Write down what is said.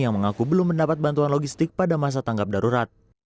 yang mengaku belum mendapat bantuan logistik pada masa tanggap darurat